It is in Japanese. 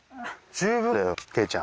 十分だよけいちゃん。